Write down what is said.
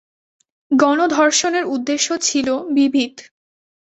গণধর্ষণের উদ্দেশ্য ছিল বিবিধ।